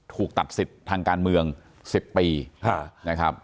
ถูกตัดสิทธิ์ทางการเมือง๑๐ปีนะครับ